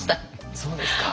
そうですか！